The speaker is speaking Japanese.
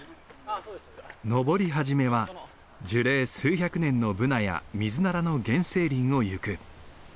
登り始めは樹齢数百年のブナやミズナラの原生林を行く。